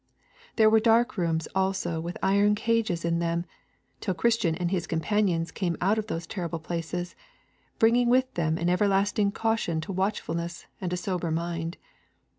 There were dark rooms also with iron cages in them, till Christian and his companions came out of those terrible places, bringing with them an everlasting caution to watchfulness and a sober mind.